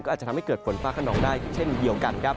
ก็อาจจะทำให้เกิดฝนฟากข้างดอกได้เช่นเดียวกัน